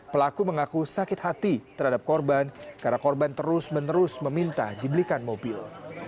pelaku mengaku sakit hati terhadap korban karena korban terus menerus meminta dibelikan mobil